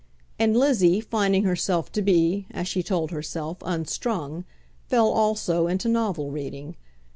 And Lizzie, finding herself to be, as she told herself, unstrung, fell also into novel reading.